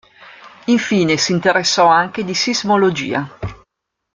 Infine si interessò anche di sismologia.